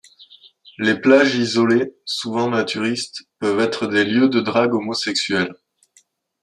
Les plages isolées, souvent naturistes, peuvent être des lieux de drague homosexuelle.